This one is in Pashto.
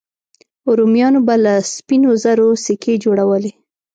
رومیانو به له سپینو زرو سکې جوړولې